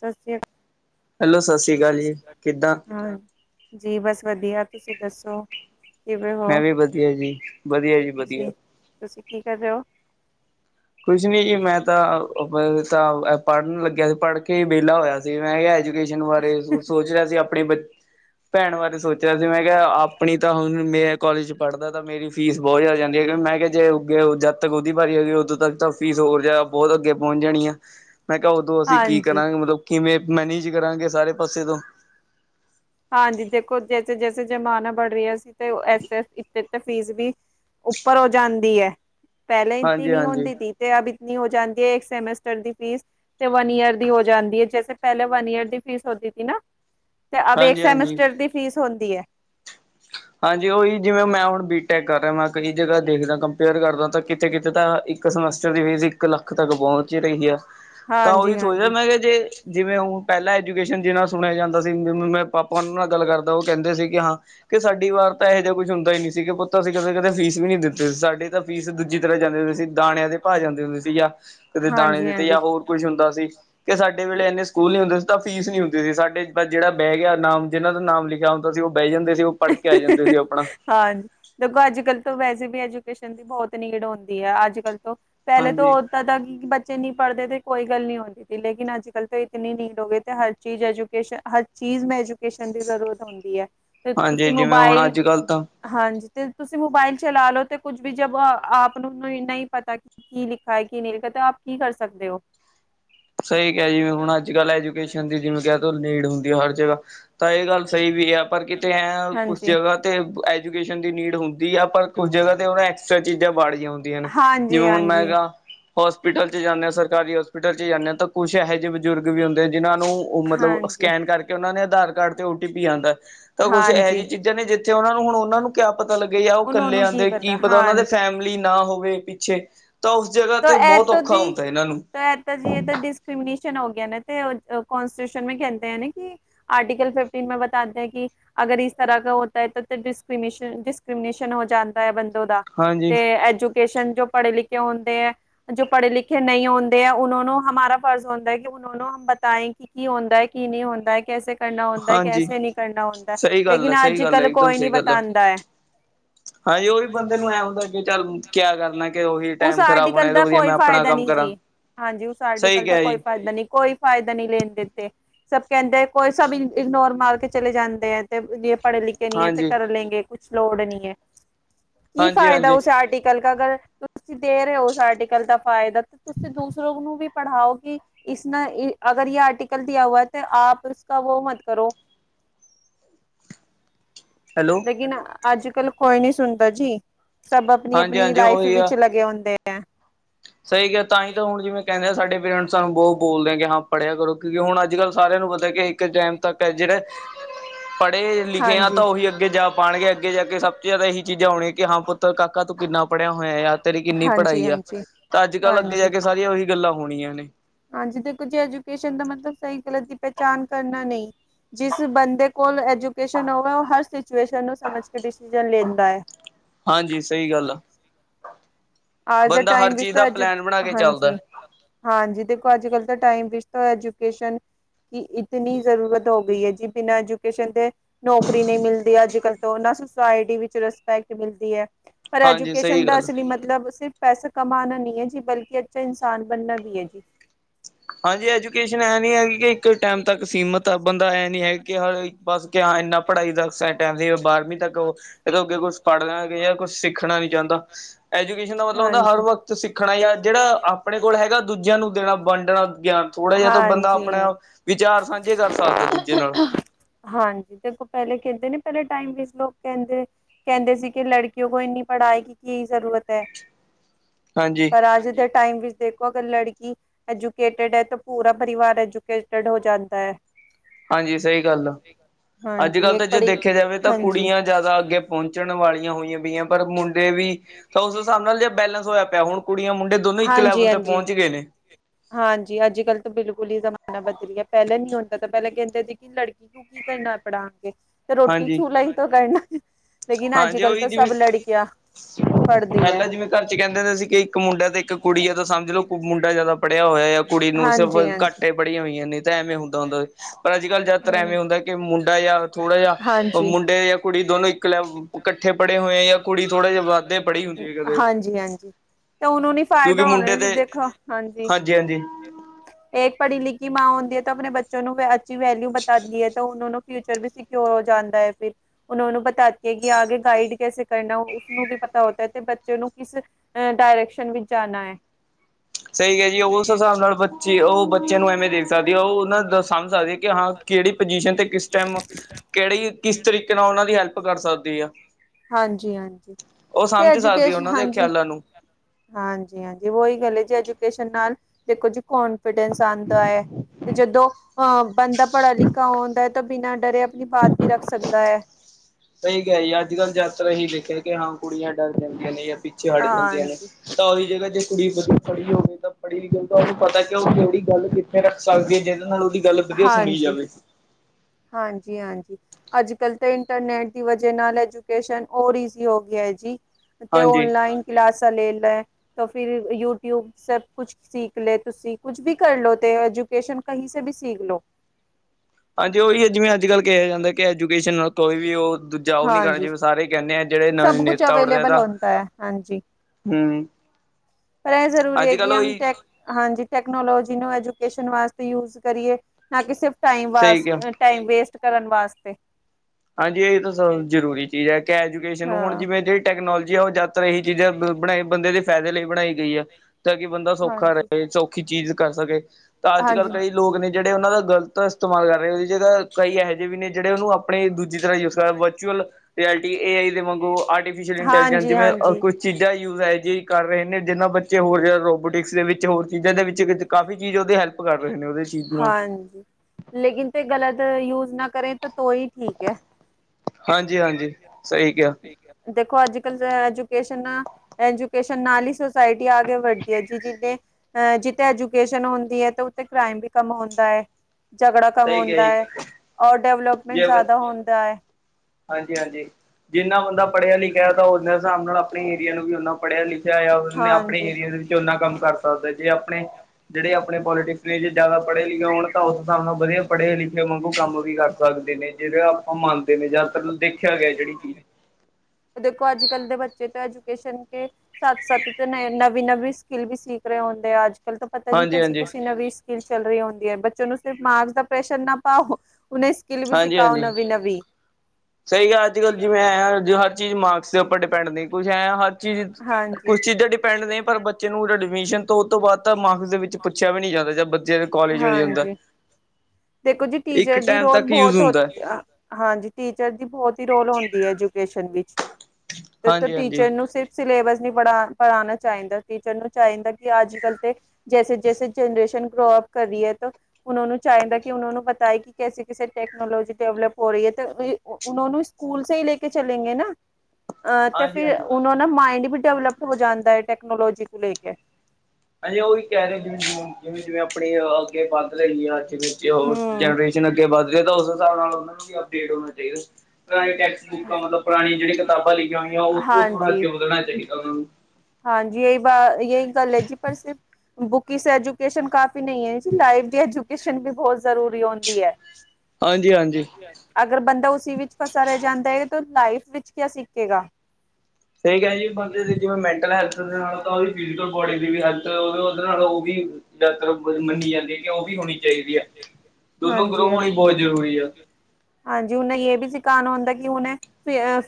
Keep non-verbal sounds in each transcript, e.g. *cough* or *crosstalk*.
ਸਤਿ ਸ੍ਰੀ ਅਕ ਹੈਲੋ, ਸਤਿ ਸ਼੍ਰੀ ਅਕਾਲ ਜੀ ਕਿੱਦਾਂ? ਅਕਾਲ ਜੀ, ਬਸ ਵਧੀਆ, ਤੁਸੀਂ ਦੱਸੋ? ਕਿਵੇਂ ਮੈਂ ਹੋ ਵੀ, ਵਧੀਆ ਜੀ, ਵਧੀਆ ਜੀ, ਵਧੀਆ। ਤੁਸੀਂ ਕੀ, ਕਰ ਰਹੇ ਹੋ? ਕੁਛ ਨੀ ਜੀ। ਮੈਂ ਤਾਂ, ਤਾਂ ਪੜਨ ਲੱਗਿਆ ਸੀ। ਪੜ ਕੇ ਵਿਹਲਾ ਹੋਇਆ ਸੀ। ਮੈਂ ਕਿਹਾ ਅੱਜ। ਬਾਰੇ, ਸੋਚ ਰਿਹਾ ਸੀ ਆਪਣੇ। ਭੈਣ ਬਾਰੇ ਸੋਚਿ ਰਿਆ ਸੀ। ਮੈਂ ਕਿਹਾ ਆਪਣੀ ਤਾਂ ਹੁਣ, ਮੈਂ ਕਾਲਜ ਪੜਦਾ ਤਾਂ। ਮੇਰੀ ਫੀਸ, ਬਹੁਤ ਜ਼ਿਆਦਾ ਜਾਂਦੀ ਹੈ। ਮੈਂ ਕਿਹਾ ਜੇ, ਉੱਗੇ ਉਹ ਜਦ ਤੱਕ, ਉਹਦੀ ਭਾਰੀ ਹੋ ਗਈ। ਉਦੋਂ ਤਾਂ ਫੀਸ, ਹੋਰ ਜਹਾ, ਬਹੁਤ ਅੱਗੇ ਪਹੁੰਚ ਜਾਣੀ ਆ। ਮੈਂ ਕਿਹਾ ਉਦੋਂ ਅਸੀਂ ਕੀ ਹਾਂਜੀ ਕਰਾਂਗੇ। ਮਤਲਬ ਕਿਵੇਂ ਮੈਨੇਜ, ਕਰਾਂਗੇ ਸਾਰੇ ਪਾਸੇ ਤੋਂ। ਹਾਂਜੀ। ਦੇਖੋ ਜੈਸੇ- ਜੈਸੇ, ਜਮਾਨਾ ਬੜ ਰਿਹਾ ਤੇਸੀ ਤੇ ਫੀਸ ਵੀ, ਉੱਪਰ ਹੋ ਜਾਂਦੀ ਹੈ। ਪਹਿਲੇ ਣਿਤੀ ਹਾਂਜੀ ਨੀ ਹਾਂਜੀ ਹੁੰਦੀ ਤ ਤੇ ਅਬ ਇਤਨੀ ਹੋ ਜਾਂਦੀ ਹੈ। ਇੱਕ ਸੈਮੈਿਸਟਰ ਦੀ ਫੀਸ। ਤੇ ਵਨ ਈਅਰ, ਦੀ ਹੋ ਜਾਂਦੀ ਹੈ। ਜੈਸੇ ਪਹਿਲੇ ਵਨ ਈਅਰ, ਦੀ ਫੀਸ ਹੋਦੀ ਸੀ ਨਾ। ਤੇ ਅ ਹਾਂਜੀ ਊ ਨੀ, ਫੀਸ ਹੁੰਦੀ ਹੈ। ਹ। *unintelligible* ਹਾਂਜੀ, ਉਹੀ ਜਿਵੇਂ ਮੈਂ ਹੁਣ, ਬੀਟੈਕ ਕਰ ਰਿਹਾ। ਮੈਂ ਕਈ ਜਗਾ ਦੇਖਦਾ। ਕੰਪੇਅਰ ਕਰਦਾ ਤਾਂ ਕਿਤੇ- ਕਿਤੇ ਤਾਂ ਇੱਕ ਸਮੈਸਟਰ ਦੀ ਫੀਸ, ਇੱਕ ਲੱਖ, ਤੱਕ ਪਹੁੰਚ ਰਹੀ ਆ। ਤਾਂ ਉਹੀ ਸੋਚਦਾ, ਮੈਂ ਕਿਹਾ ਜੇ ਜਿਵੇਂ ਉਹ ਪਹਿਲਾਂ, ਐਜੂਕੇਸ਼ਨ ਜਿਹ ਨਾਲ ਸੁਣਿਆ ਜਾਂਦਾ ਸੀ, ਜਿਵੇ ਮੇ ਪਾਪਾ ਉਹਨਾਂ ਨਾਲ ਗੱਲ ਕਰਦਾ। ਉਹ ਕਹਿੰਦੇ ਸੀ। ਕਿ ਹਾਂ। ਕਿ ਸਾਡੀ ਵਾਰ, ਤਾਂ ਇਹੋ ਜਿਹਾ, ਕੁਛ ਹੁੰਦਾ ਹੀ ਨਹੀਂ ਸੀ। ਕਿ ਪੁੱਤ ਅਸੀਂ ਕਦੇ- ਕਦੇ ਫੀਸ ਵੀ ਨਹੀਂ ਦਿੱਤੇ ਸੀ। ਸਾਡੀੇ ਤਾਂ ਫੀਸ ਦੂਜੀ ਤਰਾਂ ਜਾਂਦੇ ਹੰਦੇ ਸੀ। ਦਾਣਿਆਂ ਦੇ, ਪਾ ਜਾਂਦੇ ਹੁੰਦੀ ਸੀਗਾ। ਕਿਤੇ ਦਾਣੇ ਹਾਂਜੀ ਦੇ ਤੇ, ਹਾਂਜੀ ਜਾਂ ਹੋਰ ਕੁਝ ਹੁੰਦਾ ਸੀ। ਕਿ ਸਾਡੇ ਵੇਲੇ ਇੰਨੇ ਸਕੂਲ ਨੀ ਹੁੰਦੇ ਸੀ। ਤਾਂ ਫੀਸ ਨੀ ਹੁੰਦੀ ਸੀ। ਸਾਡੇ ਪਰ ਜਿਹੜਾ ਬਹਿ ਗਿਆ। ਨਾਮ ਜਿਹਨਾਂ ਦਾ ਨਾਮ ਲਿਖਿਆ ਹੁੰਦਾ ਸੀ। ਉਹ ਬਹਿ ਜਾਂਦੇ ਸੀ। ਉਹ ਪੜ ਕੇ ਆ ਜਾਂਦੇ ਸੀ ਆਪਣਾ। ਹਾਂਜੀ। ਦੇਖੋ ਅੱਜ ਕੱਲ ਤੋਂ, ਵੈਸੇ ਵੀ ਐਜੂਕੇਸ਼ਨ ਦੀ, ਬਹੁਤ ਨੀਡ ਹੁੰਦੀ ਹੈ। ਅੱਜ ਕੱਲ ਤੋਂ ਪਹਿਲੇ ਤੋ, ਹਾਂਜੀ ਹੋਤਾ ਤਾਂ ਕਿ ਬ ਬੱਚੇ ਨਹੀਂ ਪੜਦੇ ਤੇ, ਕੋਈ ਗੱਲ ਨਹੀਂ ਹੁੰਦੀ। ਲੇਕਿਨ ਅੱਜ ਕੱਲ ਤਾਂ, ਇਤਨੀ ਨੀਡ ਹੋ ਗਈ। ਤੇ ਹਰ ਚੀਜ਼ ਐਜੂਕੇਸ਼ਨ ਹਰ ਚੀਜ਼ ਮੇਂ, ਮਜੂਕੇਸ਼ਨ ਦੀ ਜ਼ਰੂਰਤ ਹੁੰਦੀ ਹੈ। ਤੇ ਹਾਂਜੀ ਤੁਸੀਂ ਜਿਵੇਂ ਹੁਣ ਮੋਬਾਇਲ ਅੱਜ ਕੱਲ੍ਹ ਤਾਂ ਹਾਂਜੀ, ਤੇ ਤੁਸੀਂ ਮੋਬਾਇਲ ਚਲਾ ਲੋ। ਤੇ ਕੁੱਝ ਵੀ ਜਬ ਆਪ ਨੂੰ, ਇੰਨਾ ਹੀ ਪਤਾ। ਕੀ ਲਿਖਾ ਹੈ, ਕੀ ਨਹੀਂ ਲਿਖਾ, ਤੇ ਆਪ ਕੀ ਕਰ ਸਕਦੇ ਹੋ। ਸਹੀ ਕਿਹਾ ਸੀ। ਜਿਵੇਂ ਹੁਣ ਅੱਜ ਕੱਲ ਐਜੂਕੇਸ਼ਨ ਦੀ, ਜਿਵੇਂ ਕਹਿ ਦੋ ਨੀਡ ਹੁੰਦੀ ਹੈ। ਹਰ ਜਗਾ ਤਾਂ ਇਹ ਗੱਲ ਸਹੀ ਵੀ ਆ। ਪਰ ਕਿਤੇ ਐਂ ਕੁਛ ਜਗਾ ਤੇ ਐਜੂਕੇਸ਼ਨ, ਦੀ ਨੀਡ ਹੁੰਦੀ ਆ। ਪਰ ਕੁਛ ਜਗਾ, ਤੇ ਉਹ ਐਕਸਟਰਾ ਚੀਜ਼ਾਂ, ਵੜੀਆਂ ਹੁੰਦੀਆਂ ਨੇ, ਜਿਵੇਂ ਹੁਣ ਮੈਂ ਗ ਹੋਸਪਿਟਲ ਚ, ਜਾਂਦੇ ਹਾਂ। ਸਰਕਾਰੀ ਹੋਸਪਿਟਲ ਚ ਜਾਂਦੇ ਹਾਂ, ਤਾਂ ਕੁਛ ਇਹੋ ਜਿਹੇ, ਬਜ਼ੁਰਗ ਵੀ ਹੁੰਦੇ ਆ। ਜਿਹਨਾਂ ਨੂੰ ਉਹ ਮਤਲਬ, ਸਕੈਨ ਕਰਕੇ ਉਹਨਾਂ ਨੇ ਆਧਾਰ ਕਾਰਡ ਤੇ, ਓ ਟੀ ਪੀ ਆਉਂਦਾ, ਤਾਂ ਕੁਛ ਇਹੋ ਜਿਹੀ ਚੀਜ਼ਾਂ ਨੇ, ਜ ਉਹਨਾਂ ਨੂੰ, ਹੁਣ ਉਹਨਾਂ ਨੂੰ ਕਿਆ ਪਤਾ ਲੱਗੇ। ਜਾਂ ਉਹ ਕੱਲੇ ਆਉਂਦੇ। ਕੀ ਪਤਾ ਉਹਨਾਂ ਦੇ ਫੈਮਲੀ ਨਾ ਹੋਵੇ। ਪਿੱਛੇ ਤਾਂ ਉਸ ਜਗਾ ਤੇ, ਬਹੁਤ ਔਖਾ ਹੁੰਦਾ ਇਹਨਾਂ ਨੂੰ। ਤਾਂ ਜੇ, ਤਾਂ ਡਿਸਕ੍ਰਿਮੀਨੇਸ਼ਨ ਹੋ ਗਿਆ। ਨੇ ਤੇ ਕੋਂਸਟੀਟਿਊਸ਼ਨ ਵੀ ਕਹਿੰਦੇ ਆ, ਨਾ ਕਿ ਆਰਟੀਕਲ ਫਿਫਟੀਨ, ਮੈਂ ਬਤਾਦੇ ਕਿ ਅਗਰ ਇਸ ਤਰਾਂ, ਦਾ ਹੋਤਾ ਹੈ। ਤਾਂ ਡ ਡਿਸਕ੍ਰਿਮਨੇਸ਼ਨ ਹੋ ਜਾਂਦਾ ਹੈ, ਬੰਦੋ ਦਾ। ਹਾਂਜੀ ਤੇ ਐਜੂਕੇਸ਼ਨ, ਜੋ ਪੜੇ- ਲਿਖੇ ਹੁੰਦੇ ਆ। ਜੋ ਪੜ੍ਹੇ ਲਿਖੇ ਨਹੀਂ ਹੁੰਦੇ ਹੈ ਉਹ ਨੂੰ ਹਮਾਰਾ ਫਰਜ਼ ਹੁੰਦਾ ਹੈ ਕਿ ਉਹ ਨੂੰ ਹ ਬਤਾਏ ਕਿ ਕੀ ਹੁੰਦਾ ਹੈ ਕੀ ਨਹੀਂ ਹੁੰਦਾ ਕਸੇ। ਕਰਨਾ ਹੁੰਦਾ ਹਾਂਜੀ ਕੈਸੇ ਨੀ ਕਰਨਾ ਹੁੰਦਾ ਸਹੀ ਗੱਲ ਲੇਕਿਨ ਹੈ ਸਹੀ ਅੱਜ ਗੱਲ ਹੈ ਕੱਲ ਇਕਦਮ ਕੋਈ ਨੀ ਸਹੀ ਗੱਲ ਪਤਾ ਆਉਂਦਾ ਹੈ। ਹਾਂਜੀ ਉਹ ਵੀ ਬੰਦੇ ਨੂੰ ਐਂ ਹੁੰਦਾ ਅੱਗੇ ਚੱਲ ਕਿਆ ਕਰਨਾ ਕਿ, ਉਹੀ ਉਸ ਟਾਈਮ ਖਰਾਬ ਹੋਣਾ। ਆਰਟੀਕਲ ਇਹਦਾ ਦਾ ਵਧੀਆ, ਕੋਈ ਮੈਂ ਆਪਣਾ ਫਾਇਦਾ ਕੰਮ ਨਹੀਂ ਕਰਾਂ। ਜੀ ਹਾਂਜੀ ਉਸ ਸਹੀ ਸਾਡੀਕਲ ਤਾਂ ਕਿਹਾ ਕੋਈ ਜੀ ਫਾਇਦਾ ਨਹੀਂੀ ਕੋਈ ਫਾਇਦਾ ਨਹੀਂ ਲੈਂਦੇ ਤੇ ਸਭ ਕਹਿੰਦੇ ਕੋਈ ਸਭ ਇਗਨੋਰ ਮਾਰ ਕੇ ਚਲੇ ਜਾਂਦੇ ਹੈ ਤੇ ਜ ਪੜੇ ਲਿਖੇ ਨਹੀਂ ਹੈ ਤੇ ਹਾਂਜੀ ਕਰ ਲੈਂਗੇ ਕੁਛ ਲੋੜ ਨਹੀਂ ਹੈ ਕੀ ਹਾਂਜੀ ਫਾਇਦਾ ਹਾਂਜੀ ਉਸੇ ਆਰਟੀਕਲ ਕਲ ਅਗਰ ਤੁਸੀਂ ਦੇ ਰਹੇ ਹੋ ਉਸ ਆਰਟੀਕਲ ਦਾ ਫਾਇਦਾ ਤਾਂ ਤੁਸੀਂ ਦੂਸਰੋ ਨੂੰ ਵੀ ਪੜ੍ਹਾਓ ਕਿ ਇਸਨ ਅਗਰ ਯੇ ਆਰਟੀਕਲ ਦਿਆ ਹੁਆ ਤੇ ਆਪ ਇਸ ਕਾ ਵੋ ਮਤ ਕਰੋ। ਹੈਲੋ। ਲੇਕਿਨ ਅੱਜ ਕੱਲ ਕੋਈ ਨੀ ਸੁਣਦਾ ਜੀ ਸਭ ਅਪਣੀ, ਹਾਂਜੀ ਅਪਣੀ ਹਾਂਜੀ ਲਾਈਫ ਉਹੀ ਆ ਵਿੱਚ ਲਗੇ ਹੁੰਦੇ। *unintelligible* ਠੀਕ ਹੈ ਸਹੀ ਕਿਹਾ, ਤਾਂ ਹੀ ਤੇ ਹੁਣ ਜਿਵੇ ਕਹਿੰਦੇ ਐ ਸਾਡੇ ਪੇਰੈਂਟਸ ਸਾਨੂੰ ਬਹੂ ਬੋਲਦੇ ਹੈ ਕਿ ਹਾਂ ਪੜ੍ਹਿਆ ਕਰੋ ਕਿਉਂਕਿੁ ਹੁਣ ਅੱਜ ਅੱਜ ਕੱਲ੍ਹ ਸਾਰਿਆਂ ਨੂੰ ਪਤਾ ਕਿ ਇੱਕ ਟਾਈਮ ਤੱਕ ਹੈ ਜਿਹੜੇ ਪੜ੍ਹੇ ਲਿਖ ਹਾਂ ਤਾਂ ਉਹੀ ਅੱਗੇ ਜਾ ਪਾਣਗੇ ਅੱਗੇ ਜਾ ਕੇ ਸਭ ਤੋਂ ਜ਼ਿਆਦਾ ਇਹੀ ਚੀਜ਼ਾਂ ਹੋਣੀਆਂ ਕਿ ਹਾਂ ਪੁੱਤਰ ਕਾਕਾ ਤੂੰ ਕਿੰਨਾ ਪੜ੍ਹਿਆ ਹੋਇਆ ਯਾਰ। ਤੇਰੀ ਕਿੰਨੀ ਪੜ੍ਹਾਈ ਆ। ਤੇ। ਤਾਂ ਅੱਜ ਕੱਲ੍ਹ ਅੱਗੇ ਜਾ ਕੇ ਸਾਰੀਆਂ ਉਹੀ ਗੱਲਾਂ ਹੋਣੀਆਂ ਨੇ। ਹੁੰਦੀਆਂ। ਹਾਂਜੀ ਦੇਖੋ ਜੀ ਐਜੂਕੇਸ਼ਨ ਦਾ ਮਤਲਬ ਸਹੀ ਗਲਤ ਦੀ ਪਹਿਚਾਣ ਕਰਨਾ ਨਹੀਂ ਜਿਸ ਬੰਦੇ ਕੋਲ ਐਜੂਕੇਸ਼ਨ ਹੋਵੇ ਉਹ ਹਰ ਸਿਚੁਏਸ਼ਨ ਨੂੰ ਸਮਝ ਕੇ ਡਿਸੀਜ਼ਨ ਲੈਂਦਾ ਹੈ। ਹਾਂਜੀ ਸਹੀ ਗੱਲ ਆ ਅੱਜ ਦੇ ਬੰਦਾ ਹਰ ਟਾਈਮ ਵਿੱਚ ਚੀਜ਼ ਤਾਂ ਦਾ ਐਜੂ ਪਲੈਨ ਬਣਾ ਕੇ ਚੱਲਦੈ। ਹਾਂਜੀ ਹਾਂਜੀ, ਦੇਖੋ ਅੱਜ ਕੱਲ ਦੇ ਟਾਈਮ ਵਿੱਚ ਤਾਂ ਐਜੂਕੇਸ਼ਨ ਕੀ ਇਤਨੀ ਜ਼ਰੂਰਤ ਹੋਗ ਗਈ ਹੈ ਜੀ ਬਿਨਾਂ ਐਜੂਕੇਸ਼ਨ ਦੇ ਨੌਕਰੀ ਨਹੀਂ ਮਿਲਦੀ ਅੱਜ ਕਲ ਤੋਂ ਨਾ ਸੁਸਾਇਟੀ ਵਿੱਚ ਰਿਸਪੈਕਟ ਮਿਲਦੀ ਹੈ‌। ਪਰ ਹਾਂਜੀ ਐਜੂਕੇਸ਼ਨ ਸਹੀ ਦਾ ਗੱਲ ਅਸਲੀ ਮਤਲਬ ਸਿਰਫ ਪੈਸਾ ਕਮਾਨਾ ਨਹੀਂ ਹੈ ਜੀ ਬਲਕਿ ਅੱਛਾ ਇਨਸਾਨ ਬਣਨਾ ਵੀ ਹੈ ਜੀ। ਹਾਂਜੀ ਐਜੂਕੇਸ਼ਨ ਐਂ ਨੀ ਹੈਗੀ ਕਿ ਇੱਕ ਟਾਈਮ ਤੱਕ ਸੀਮਿਤ ਆ ਬੰਦਾ ਐ ਨੀ ਹੈ ਕਿ ਹ ਬਸ ਕਿ ਹਾਂ ਇੰਨਾ ਪੜ੍ਹਾਈ ਦਾ ਸੈਟ ਇੰਦੇ ਬਾਰਵੀਂ ਤੱਕ ਉਹ ਇਹਦੋ ਅੱਗੇ ਕੁਛ ਪੜ੍ਹਨਾਗੇ ਜਾਂ ਕੁਛ ਸਿੱਖਣਾ ਨੀ ਚਾਹੁੰਦਾ। ਐਜੂਕੇਸ਼ਨ ਦਾ ਮਤਲਬ ਹੁੰਦਾ ਹਾਂਜੀ ਹਰ ਵਕਤ ਸਿੱਖਣਾ ਜਾਂ ਜਿਹੜਾ ਆਪਣੇ ਕੋਲ ਹੈਗਾ ਦੂਜਿਆਂ ਨੂੰ ਦੇਣਾ ਵੰਡਣਾ ਗਿਆਨ ਥੋੜ੍ਹਾ ਜਿਹਾ ਤਾਂ ਬੰਦਾ ਆਪਣੇ ਹਾਂਜੀ ਵਿਚਾਰ ਸਾਂਝੇ ਕਰ ਸਕਦਾ ਦੂਜੇ ਨਾਲ। ਹਾਂਜੀ ਦੇਖੋ ਪਹਿਲੇ ਕਹਿੰਦੇ ਨੇ ਪਹਿਲੇ ਟਾਈਮ ਚ ਲੋਕ ਕਹਿੰਦੇ ਕਹਿੰਦੇ ਸੀ ਕਿ ਲੜਕਓ ਕੋ ਇੰਨੀ ਪੜ੍ਹਾਈ ਕਿ ਕੀ ਜ਼ਰੂਰਤ ਹੈ। ਹਾਂਜੀ। ਅੱਜ ਦੇ ਟਾਈਮ ਵਿੱਚ ਦੇਖੋ ਅਗਰ ਲੜਕੀ ਕਿ ਐਜੂਕੇਟਡ ਹੈ ਤਾਂ ਪੂਰਾ ਪਰਿਵਾਰ ਐਜੂਕੇਟਡ ਹੋ ਜਾਂਦਾ ਹੈ। ਹਾਂਜੀ ਸਹੀ ਗੱਲ ਐ, ਅੱਜ ਹਾਂਜੀ ਕੱਲ੍ਹ ਤਾਂ ਇੱਕ ਜੇ ਬੜੀ ਦੇਖਿਆ ਜਾਵੇ ਤਾਂ ਹਾਂਜੀ ਕੁੜੀਆਂ ਜ਼ਿਆਦਾ ਅੱਗੇ ਪਹੁੰਚਣ ਵਾਲੀਆਂ ਹੋਈਆਂ ਪਈਆਂ ਪਰ ਮੁੰਡੇ ਵੀ ਤਾਂ ਉਸ ਹਿਸਾਬ ਨਾਲ ਜਿੇ ਬੈਲੈਂਸ ਜੇ ਹੋਇਆ ਪਿਆ ਪਹਿਲਾਂ ਹੁਣ ਹੋਇਆ ਕੁੜੀਆਂ ਪਿਆ ਮੁੰਡੇ ਦੋਨੋਂ ਇੱਕ ਹਾਂਜੀ ਲੈਵਲ ਤੇ ਹਾਂਜੀ ਪਹੁੰਚ ਗਏ ਨੇ। ਹਾਂਜੀ ਅੱਜ ਕੱਲ੍ਹ ਤਾਂ ਬਿਲਕੁਲ ਹੀ ਜ਼ਮਾਨਾ ਬਦਲ ਗਿਆ। ਪਹਿਲਾਂ ਨੀ ਹੁੰਦਾ ਥਾ ਪਹਿਲਾਂ ਕਹਿੰਦੇ ਸੀ ਕਿ ਲੜਕੀ ਨੂੰ ਕੀ ਕਰਨਾ ਪੜਾ ਕੇ ਤੇ ਰੋਟੀ ਹਾਂਜੀ ਚੁਲ੍ਹਾ ਹੀ ਤੋਂ ਕਰਨਾ। ਲੇਕਿਨ ਅਜ ਹਾਂਜੀ ਕੱਲ ਉਹੀ ਤਾਂ ਜਿਵੇਂ ਸਭ ਲੜਕੀਆਂ ਪੜ੍ਹਦੀ ਹੈ। ਪਹਿਲਾਂ ਜਿਵੇਂ ਘਰ ਪਹਿਲਾਂ ਚ ਕਹਿੰਦੇ ਹੁੰਦੇ ਸੀ ਕਿ ਇੱਕ ਮੁੰਡਾ ਤੇ ਇੱਕ ਕੁੜੀ ਆ ਤਾਂ ਸਮਝ ਲੋਓ ਮੁੰਡਾ ਜਿਆਦਾ ਪੜ੍ਹਿਆ ਹੋਇਆ ਆ ਕੁੜੀ ਨੂੰ ਸਿਰਫ ਘੱਟ ਹੀ ਪੜ੍ਹੀਆਂ ਹੋਈਆਂ ਨੇ ਤਾਂ ਐਵੇਂ ਹੁੰਦਾ, ਹੁੰਦਾ ਪਰ ਅੱਜ ਕੱਲ੍ਹ ਜਾਦਾਤਰ ਐਵੇਂ ਹੁੰਦੈ ਕਿ ਮੁੰਡਾ ਜਾਂ ਥੋੜਾ ਜਿਹਾ ਮੁੰਡੇ ਜਾਂ ਕੁੜੀ ਦੋਨੋਂ ਲੈਵਲ ਇਕੱਠੇ *inaudible* ਪੜ੍ਹੇ ਹੋਏ ਆ ਜਾਂ ਕੁੜੀ ਥੋੜ੍ਹਾ ਜਿਹਾ ਵੱਧਦੇ ਪੜ੍ਹੀ ਹੁੰਦੀ ਹੈ ਕਦੇ ਹਾਂਜੀ, ਹਾਂਜੀ। ਤੇ ਉਹਨੂੰ ਨੀ ਕਿਉਂਕਿ ਫ਼ਾਇਦਾ ਹੋਣਾ ਮੁੰਡੇ ਵੀ ਤੇ ਦੇਖੋ, ਹਾਂਜੀ। ਇਹ ਪੜ੍ਹੀ ਲਿਖੀ ਮਾਂ ਹੁੰਦੀ ਹੈਏ ਤਾਂ ਆਪਣੇ ਬੱਚੇ ਨੂੰ ਵੀ ਵੈਲਿਊ ਬਤਾਂਦੀ ਹੈ ਤੇ ਉਹਨਾਂ ਨੂੰ ਫਿਊਚਰ ਵੀ ਸਿਕਿਓਰ ਹੋ ਜਾਂਦਾ ਹੈ ਫਿਰ ਉਹਨਾਂ ਨੂੰ ਪ ਤ ਕੇ ਕਿ ਆਗੇ ਗਾਈਡ ਕੈਸੇ ਕਰਨਾ ਉਸਨੂੰ ਵੀ ਪਤਾ ਹੋਤਾ ਹੈ ਤੇ ਬੱਚੇ ਨੂੰ ਕਿਸ ਅ ਡਾਇਰੈਕਸ਼ਨ ਵਿੱਚ ਜਾਣਾ ਹੈ। ਸਹੀ ਕਿਹਾ ਜੀ, ਉਸ ਹਿਸਾਬ ਨਾਲ ਬੱਚੇ ਉਹ ਬੱਚੇ ਨੂੰ ਐਵੇਂ ਦੇਖ ਸਕਦੀ ਉਹ ਉਹਨਾਂ ਸਮਝ ਸਕਦੀ ਕਿ ਹਾਂ ਕਿਹੜੀ ਪੁਜੀਸ਼ਨ ਤੇ ਕਿਸ ਟਾਈਮ ਕਿਹੜੀ ਕਿਸ ਤਰੀਕੇ ਨਾਲ ਉਹਨਾਂ ਦੀ ਹੈਲਪ ਕਰ ਸਕਦੀ ਆ। ਹਾਂਜੀ, ਹਾਂਜੀ ਉਹ ਤੇ ਸਮਝ ਸਕਦੀ ਆ ਐਜੂਕੇਸ਼ਨ ਉਹਨਾਂ ਦੇ ਹਾਂਜੀ। ਖਿਆਲਾਂ ਨੂੰ ਹਾਂਜੀ, ਹਾਂਜੀ ਉਹੀ ਗੱਲ ਹੈ ਜੀ ਐਜੂਕੇਸ਼ਨ ਨਾਲ ਦੇਖੋ ਜੀ ਕੌਣ ਕੋਨਫਿਡੈਂਸ ਆਉਂਦਾ ਹੈ ਤੇ ਜਦੋਂ ਅਹ ਬੰਦਾ ਪੜਾ ਲਿਖਿਆ ਹੁੰਂਦੈ ਤਾਂ ਬਿਨਾ ਡਰੇ ਆਪਣੀ ਬਾਤ ਵੀ ਰੱਖ ਸਕਦਾ ਹੈ। ਸਹੀ ਕਿਹਾ ਹੈ ਜੀ ਅੱਜ ਕੱਲ੍ਹ ਯਾਤਰਾ ਇਹੀ ਲਿਖਿਆ ਕਿ ਹਾਂ ਕੁੜੀਆਂ ਡਰ ਜਾਂਦੀਆਂ ਨੇ, ਜਾਂ ਪਿੱਛੇ ਹਟ ਜਾਂਦੀਆਂ ਨੇ। ਹਾਂਜੀ ਤਾਂ ਉਹੀ ਜਗ੍ਹਾ ਜੇ ਕੁੜੀ ਪੜ੍ਹੀ ਹੋਵੇ ਤਾਂ ਪੜ੍ਹੀਉਂ ਤਾਂ ਉਹਨੂੰ ਪਤਾ ਕਿ ਉਹ ਕਿਹੜੀ ਗੱਲ ਕਿੱਥੇ ਰੱਖ ਸਕਦੀ ਏ। ਜਿਹਦੇ ਨਾਲ ਉਹਦੀ ਗੱਲ ਵਧੀਆ ਸੁਣੀ ਹਾਂਜੀ ਜਾਵੇ। ਹਾਂਜੀ- ਹਾਂਜੀ ਅੱਜ ਕੱਲ੍ਹ ਤਾਂ ਇੰਟਰਨੈਟ ਦੀ ਵਜ੍ਹੇ ਨਾਲ ਐਜੂਕੇਸ਼ਨ ਹੋਰ ਈਜ਼ੀ ਹੋ ਗਿਆ ਹੈ ਜੀ। ਤੇ ਹਾਂਜੀ ਔਨਲਾਈਨ ਕਲਾਸਾਂ ਲੈ ਲਹੇ ਤਾਂ ਫਿਰ ਯੂਟੀਊਬ ਸਭ ਕੁਛ। ਸਿੱਖ ਲੈ ਤੁਸੀਂ ਕੁੱਝ ਵੀ ਕਰਲਓ ਤੇ ਐਜੂਕੇਸ਼ਨ ਕਹੀ ਸੇ ਵੀ ਸਿੱਖ ਲਓ। ਹਾਂਜੀ ਉਹੀ ਹੈ ਜਿਵੇਂ ਅੱਜ ਕੱਲ੍ਹ ਕਿਹਾ ਜਾਂਦਾ ਕਿ, ਐਜੂਕੇਸ਼ਨ ਨਾਲ ਕੋਈ ਵੀ ਉਹ ਦੂਜਾ ਨਹੀ ਕਰਨਾ ਹਾਂਜੀ ਜਿਵੇਂ, ਸਾਰੇ ਕਹਿੰਦੇ ਆ ਜਿਹੜੇ ਨਵੇਂ ਸਭ ਕੁਛ ਨੇਤਾ ਉੱਠਦੇ ਆ ਅਵੇਲੇਬਲ ਤਾਂ ਹੁੰਦਾ ਹੈ ਹਾਂਜੀ ਹਮ। ਪਰ ਇਹ ਜ਼ਰੂਰੀ ਹੈ ਕਿ ਹ ਟੈਕ। ਹਾਂਜੀ ਟੈਕਨੋਲੋਜੀ ਨੂੰ ਐਜੂਕੇਸ਼ਨ ਵਾਸਤੇ ਯੂਜ ਕਰੀਏ ਨਾ ਕਿ ਸਿਰਫ ਟਾਈਮ ਸਹੀ ਵਾਸਤੇ। ਕਿਹਾ ਟਾਈਮ ਵੇਸਟ ਕਰਨ ਵਾਸਤੇ। ਹਾਂਜੀ ਇਹ ਤਾਂ ਜ਼ਰੂਰੀ ਚੀਜ਼ ਹੈ ਕਿ ਐਜੂਕੇਸ਼ਨ ਨੂੰ ਹੁਣ ਜਿਵੇਂ ਜਿਹੜੀ ਟੈਕਨੋਲੋਜੀ ਆ ਉਹ ਜਦ। ਇਹੀ ਚੀਜ਼ਾਂ ਬਣਾਈ ਬੰਦੇ ਦੇ ਫਾਇਦੇ ਲਈ ਬਣਾਈ ਗਈ ਹੈ ਤਾਂ ਕਿ ਬੰਦਾ ਸੌਖਾ ਰਹੇ। ਸੌਖ, ਔਖੀ ਚੀਜ਼ ਕਰ ਸਕੇ, ਤਾਂ ਅੱਜ ਕੱਲ੍ਹ ਕਈ ਲੋਕ ਨੇ। ਜਿਹੜੇ ਉਹਨਾਂ ਦਾ ਗਲਤ ਇਸਤੇਮਾਲ ਕਰ ਰਹੇ ਉਹਦੀ ਜਗ੍ਹਾ ਕਈ ਇਹੋ ਜਹੇ ਵੀ ਨੇ ਜਿਹੜੇ ਉਹਨੂੰ। ਆਪਣੇ ਦੂਜੀ ਤਰ੍ਹਾਂ ਯੂਜ ਕਰ ਵਰਚੁਅਲ ਰਿਐਲਟੀ ਏ ਆਈ ਦੇ ਵਾਂਗੂ ਆਰਟੀਫਿਸ਼ਲ ਇੰਟੈਲੀਜੈਂਸ ਜਿਵੇਂ ਕੁਛ। ਚੀਜ਼ਾਂ ਯੂਜ਼ ਐ ਜਿਹੀ ਕਰ ਰਹੇ ਨੇ ਜਿਨਾਂ ਬੱਚੇ ਹੋਰ ਜ ਰੋਬੋਟਿਕਸ ਦੇ ਵਿੱਚ ਹੋਰ ਚੀਜ਼ਾਂ ਦੇ ਵਿੱਚ। ਕਾਫੀ ਚੀਜ਼ ਉਹਦੇ ਹੈਲਪ ਕਰ ਰਹੇ ਨੇ ਉਹਦੇ ਚ। ਹਾਂਜੀ ਲੇਕਿਨ ਤੇ ਗਲਤ ਯੂਜ ਨਾ ਕਰੇ ਤਾਂ ਤੋਂ ਹੀ ਠੀਕ ਹੈ। ਹਾਂਜੀ ਹਾਂਜੀ ਸਹੀ ਕਿਹਾ ਦੇਖੋ ਅੱਜ ਕਲ ਐਜੂਕੇਸ਼ਨ। ਐਜੂਕੇਸ਼ਨ ਨਾਲ ਹੀ ਸੁਸਾਇਟੀ ਆਗੇ ਬੜਤੀ ਹੈ ਜੀ ਜਿੇ। ਜਿੱਥੇ ਐਜੂਕੇਸ਼ਨ ਹੁੰਦੀ ਹੈ ਤੇ ਉੱਥੇ ਕ੍ਰਾਈਮ ਵੀ। ਕਮਾਉਂਦਾ ਏ, ਝਗੜਾ ਸਹੀ ਕਿਹਾ ਕਮਾਉਂਦਾ ਜੀ ਏ, ਔਰ ਡਿਵਲਪਮੈਂਟ ਜ਼ਿਆਦਾ ਹੁੰਦਾ ਏ। ਹਾਂਜੀ -ਹਾਂਜੀ ਜਿੰਨਾ ਬੰਦਾ ਪੜ੍ਹਿਆ ਲਿਖਿਆ ਤਾਂ ਉਹਨਾਂ ਹਿਸਾਬ ਨਾਲ ਆਪਣੇ ਏਰੀਆ ਨੂੰ ਵੀ ਉਹਨਾ ਪੜਿਆ ਲਿਖ। ਉਹੇ ਆਪਣੇ ਹਾਂਜੀ ਏਰੀਏ ਦੇ ਵਿੱਚ ਓਨਾ ਕੰਮ ਕਰ ਸਕਦੇ ਜੇ ਆਪਣੇ ਜਿਹੜੇ ਆਪਣੇ ਪੋਲੀਟਿਕਸ ਨੇ ਜੇ, ਜ਼ਿਆਦਾ ਪੜ੍ਹੇ ਲਿਖੇ ਹੋਣ ਤਾਂ ਉਸ ਹਿਸਾਬ ਨਾਲ ਵਧੀਆ ਪੜ੍ਹੇ ਲਿਖੇ ਵਾਂਗੂ ਕੰਮ ਵੀ ਕਰ ਸਕਦੇ ਨੇ। ਜਿਹੜੇ ਆਪਾਂ ਮੰਨਦੇ ਨੇ ਜਾਂ, ੰ *unintelligible* ਰਖਿਆ ਗਿਆ ਜਿਹੜੀ ਚੀਜ਼। ਦੇਖੋ ਅੱਜ -ਕੱਲ੍ਹ ਦੇ ਬੱਚੇ ਤੋਂ ਐਜੂਕੇਸ਼ਨ ਕੇ। ਸੱਤ ਸੱਤ ਤੇ ਨਵੀਂ ਨਵੀਂ ਸਕਿੱਲ ਵੀ ਸਿੱਖ ਰਹੇ ਹੁੰਦੇ ਆ ਅੱਜ ਕੱਲ ਤਾਂ ਪਤਾ ਨੀ ਕੀ ਅਸੀਂ ਹਾਂਜੀ-ਹਾਂਜੀ, ਕਿਸੇ ਨਵੀਂ। ਚੱਲ ਰਹੀ ਹੁੰਦੀ ਹੈ ਬੱਚੇ ਨੂੰ ਸਿਰਫ਼ ਮਾਰਕਸ ਦਾ ਪ੍ਰੈਸ਼ਰ ਨਾ ਪਾਓ। ਉਹਨੇ, ਸਕਿਲ ਵੀ ਸਿਖਾਓ ਹਾਂਜੀ-ਹਾਂਜੀ। ਨਵੀ -ਨਵੀ। ਸਹੀ ਗੱਲ ਅੱਜ- ਕੱਲ ਜਿਵੇਂ ਐਂ ਹਰ ਚੀਜ਼ ਮਾਰਕਸ ਦੇ ਉੱਪਰ ਡਿਪੈਂਡ ਨਹੀਂ ਕੁੱਛ ਐਂ ਹਰ ਚੀਜ਼। ਹਰ ਚੀਜ਼ ਹਾਂਜੀ ਕੁਛ ਚੀਜ਼ਾਂ ਡਿਪੈਂਡ ਨੇ ਪਰ ਬੱਚੇ ਨੂੰ ਐਡਮਿਸ਼ਨ। ਉਹ ਤੋਂ ਬਾਅਦ ਤਾਂ ਮਾਰਕਸ ਦੇ ਵਿੱਚ ਪੁੱਛਿਆ ਵੀ ਨਹੀਂ ਜਾਂਦਾ ਜਾਂ ਬੱਚਿਆਂ ਕੋਾਲਜ ਹੋ ਜਾਂਦਾ। ਦੇਖੋ ਜੀ ਇੱਕ ਟੀਚਰ ਦੀ ਟਾਈਮ ਰੋਲ ਤੱਕ ਯੂਜ ਬਹੁਤ ਹੁੰਦਾ ਹੈ ਹੋਤੀ ਏ। ਹਾਂਜੀ ਟੀਚਰ ਦੀ ਬਹੁਤ ਹੀ ਰੋਲ ਹੁੰਦੀ ਏ ਐਜੂਕੇਸ਼ਨ ਵਿੱਚ। ਤੇ ਤ ਹਾਂਜੀ ਹਾਂਜੀ ਟੀਚਰ ਨੂੰ ਸਿਰਫ। ਸਿਲੇਬਸ ਨਹੀਂ ਪੜ੍ਹਾ ਪੜ੍ਹਾਣਾ ਚਾਹੀਦਾ ਟੀਚਰ ਨੂੰ ਚਾਹੀਦਾ ਕਿ ਅੱਜ ਕੱਲ੍ਹ ਤਾਂ। ਜੈਸੇ- ਜੈਸੇ ਜਨਰੇਸ਼ਨ ਗਰੋ ਅਪ ਕਰ ਰਹੀ ਹੈ, ਤਾਂ ਉਹਨਾਂ ਨੂੰ ਚਾਹੀਦਾ ਕਿ, ਉਹਨਾਂ ਨੂੰ ਬਤਾਆ ਕਿ ਕੈੇ ਕੈਸੇ ਟੈਕਨੋਲੋਜੀ ਡੈਵਲਪ ਹੋ ਰਹੀ ਏ ਤੇ ਉਹਨਾਂ ਨੂੰ ਇਸ ਸਕੂਲ ਸੇ ਹੀ ਲੈ ਕੇ ਚਲੇਂਗੇ ਨਾ। ਅਹ ਤੇ ਹਾਂਜੀ ਫਿਰ ਹਾਂਜੀ ਉਹ ਨਾ ਮਾਇੰਡ ਵੀ ਡਿਵਲਪਡ ਹੋ ਜਾਂਦਾ ਏ ਟੈਕਨੋਲੋਜੀ ਨੂੰ ਲੈ ਕੇ। ਹਾਂਜੀ ਉਹਹੀ ਕਹਿ ਰਹੇ ਜਿਵੇਂ -ਜਿਵੇਂ ਜਿਵੇਂ ਆਪਣੀ ਅ ਅੱਗੇ ਵੱਧ ਰਹੀ ਆ ਅੱਜ ਦੇ ਉਹ ਜਨਰੇਸ਼ਨ ਅੱਗੇ ਵੱਧ ਰਹੀ ਤਾਂ ਉਸ ਹਿਸਾਬ ਨਾਲ ਉਹਨਾਂ ਨੂੰ ਵੀ। ਡੇਟ ਹੋਣਾ ਚਾਹੀਦਾ ਪੁਰਾਣੇ ਟੈਕਸ। ਬੁੱਕਾਂ ਮਤਲਬ ਪੁਰਾਣੀਆਂ ਜਿਹੜੀਆਂ ਕਿਤਾਬਾਂ ਲਿਖੀਆਂ ਹੋਈਆਂ ਉਹ ਤੋਂ ਥੋੜ੍ਹਾ ਅੱਗੇ ਵਧਣਾ ਚਾਹੀਦਾ ਉਹਨਾਂ ਨੂੰ। ਹਾਂਜੀ ਇਹੀ ਵ ਜ਼ਹੀ ਗੱਲ ਹੈ ਜੀ ਪਰ ਸਿਰਫ। ਬੁਕਸ ਏਜੂਕੇਸ਼ਨ ਕਾਫੀ ਨਹੀਂ ਹੈ ਲਾਈਫ ਦੀ ਏਜੂਕੇਸ਼ਨ ਵੀ ਬਹੁਤ ਜ਼ਰੂਰੀ ਹੁੰੰਦੀ ਹੈ। ਹਾਂਜੀ ਹਾਂਜੀ। ਅਗਰ ਬੰਦਾ ਉਸ ਵਿੱਚ ਫਸਾ ਰਹਿ ਜਾਂਦਾ ਹੈ ਤਾਂ ਲਾਈਫ ਵਿੱਚ ਕਿਆ ਸਿੱਖੇਗਾ। ਠੀਕ ਹੈ ਜੀ ਬੰਦੇ ਦੀ। ਜਿਵੇਂ ਮੈਂਟਲ ਹੈਲਥ ਦੇ ਨਾਲ ਤਾਂ ਉਹਦੀ ਫਿਜ਼ਕਲ ਬੋਡੀ ਦੀ ਵੀ ਹੈਲਥ ਉਹਦੇ ਨਾਲ ਉਹ ਵੀ ਯੰਤਰ ਮੰਨੀ ਜਾਂਦੀ ਹੈ ਕਿ ਉਹ ਵੀ ਹੋਣੀ ਚਾਹੀਦੀ ਆ ਦੋਨੋਂ ਹਾਂਜੀ ਗਰੋ ਹਾਂਜੀ। ਹੋਣੀ ਬਹੁਤ ਜ਼ਰੂਰੀ ਆ। ਹਾਂਜੀ ਉਹਨੇ ਇਹ ਵੀ ਸਿਖਾਉਣਾ ਹੁੰਦਾ ਕਿ ਉਨੇ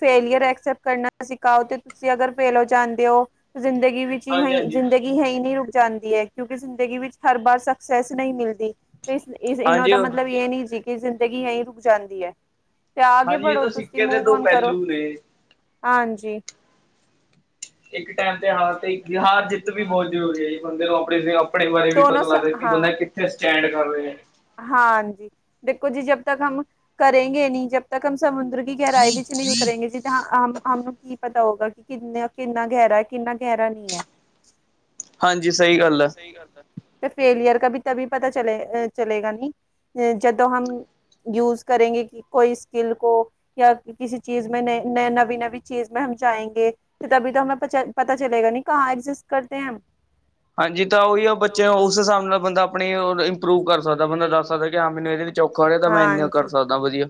ਫੇਲੀਅਰ ਐਕਸੈਪਟ ਕਰਨਾ ਸਿਖਾਓ ਤੇ ਤੁਸੀਂ ਅਗਰ ਫੇਲ ਹੋ ਜਾਂਦੇ ਹੋ ਜ਼ਿੰਦਗੀ ਵਿੱਚ। ੀ ਹਾਂਜੀ *inaudible* ਹਾਂਜੀ ਜ਼ਿੰਦਗੀ ਹੈ ਈ ਨਹੀਂ ਰੁਕ ਜਾਂਦੀ ਹੈ ਕਿਉਂਕਿ ਜ਼ਿੰਦਗੀ ਵਿੱਚ ਹਰ ਬਾਰ ਸਕਸੈਸ ਨਹੀਂ ਮਿਲਦੀ। ਇਹਨਾਂ ਦਾ ਹਾਂਜੀ ਮਤਲਬ ਯੇ ਨੀ ਸੀ ਕਿ ਜ਼ਿੰਦਗੀ ਯਈ ਰੁਕ ਜਾਂਦੀ ਏ। ਤੇ ਆ ਗੇ ਹਾਂਜੀ ਇਹ ਬੜ੍ਹੋ ਤਾਂ ਤੁਸੀਂ ਸਿੱਕੇ ਦੇ ਮੂੰਵ ਦੋ ਓਨ ਕਰੋ। ਪਹਿਲੂ ਨੇ ਹਾਂਜੀ। ਇੱਕ ਟਾਈਮ ਤੇ ਹਾਰ ਤੇ ਹਾਰ ਜਿੱਤ ਵੀ ਬਹੁਤ ਜ਼ਰੂਰੀ ਹੈ ਜੀ ਬੰਦੇ ਨੂੰ ਆਪਣੇ ਆਪਣੇ ਬਾਰੇ ਵੀ ਦੋਨੋ ਪਤਾ ਸ ਲੱਗਦਾ ਕਿ ਹਾਂ। ਬੰਦਾ ਕਿੱਥੇ ਸਟੈਂਡ ਕਰ ਰਿਹੇ ਹੈ। ਹਾਂਜੀ ਦੇਖੋ ਜੀ ਜਬ ਤੱਕ ਹਮ ਕਰੇਗੇ ਨੀ ਜਬ ਤੱਕ ਹਮ ਸਮੁੰਦਰ ਗਹਿਰਾਈ ਵਿੱਚ ਨਹੀਂ ਉਤਰੇਗੇਂ ਜੀ ਜ *unintelligible* ਹੂੰ ਕੀ ਪਤਾ। ਤਾ ਹੋਊਗਾ ਕਿ ਕਿੰਨਾ ਕਿੰਨਾ ਗਹਿਰਾ ਹੈ ਕਿੰਨਾ ਗਹਿਰਾ ਨਹੀਂ ਹੈ। ਹਾਂਜੀ ਗੱਲ ਹਾਂਜੀ ਹੈ। ਸਹੀ ਗੱਲ। ਤੇ ਫੇਲੀਅਰ ਕ ਵੀ ਤਭੀ ਪਤਾ ਚਲੇ ਚਲੇਗਾ ਨੀ ਅ ਜਦੋਂ ਹਮ ਯੂਸ ਕਰੇਂਗੇ ਕਿ ਕੋਈ ਸਕੀਲ ਕੋ ਜਾਂ ਕਿਸੀ ਚੀਜ਼ ਮੇ ਨਯੇ ਨਏ ਨਵੀਂ-ਨਵੀਂ ਚੀਜ਼ ਮੇ ਹਮ ਜਾਏਂਗੇ। ਤਭੀ ਤੋ ਹਮੇ ਪਤਾ ਚਲੇਗਾ ਨੀ ਕਹਾਂ ਐਗਜਿਸਟ ਕਰਤੇ ਹੈ ਹਮ ਹਾਂਜੀ ਤਾਂ ਉਹੀ ਆ ਬੱਚੇ ਉਸ ਹਿਸਾਬ ਨਾਲ ਬੰਦਾ ਆਪਣੀ ਇੰਪਰੂਵ ਕਰ ਸਕਦਾ ਬੰਦਾ ਦੱਸ ਸਕਦਾ ਕਿ ਹਾਂ ਮੈਨੂੰ ਇਹਦੇ ਚਖੌਰੇ ਤਾਂ ਮੈਂ ਇੰਨੇ ਕਰ ਸਕਦਾ ਵਧੀਆ।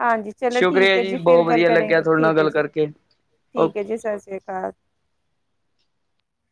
ਹਾਂਜੀ ਚਲੋ ਠੀਕ ਸ਼ੁਕਰੀਆ ਹੈ ਜੀ ਫੇਰ ਬਹੁਤ ਗੱਲ ਵਧੀਆ ਲੱਗਿਆ ਕਰੇਗੇ ਤੁਹਾਡੇ ਨਾਲ ਠੀਕ ਹੈ ਗੱਲ ਜੀ। ਕਰਕੇ ਠੀਕ ਹੈ ਓਕੇ। ਜੀ ਸਤਿ ਸ੍ਰੀ ਅਕਾਲ।